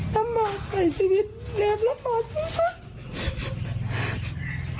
ต้องมาใส่ชีวิตแม่ลำบาปชีวิต